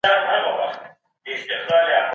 په لویه جرګه کي ولي د مذهبي اقلیتونو ونډه شتون لري؟